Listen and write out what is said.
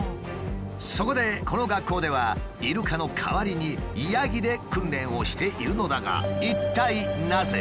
そこでこの学校ではイルカの代わりにヤギで訓練をしているのだが一体なぜ？